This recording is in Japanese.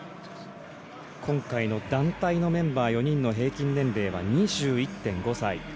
今回の団体のメンバー４人の平均年齢は２１．５歳。